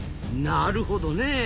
なるほどねえ。